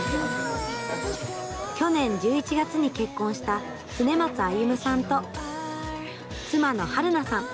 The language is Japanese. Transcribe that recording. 去年１１月に結婚した恒松歩夢さんと妻の遥南さん。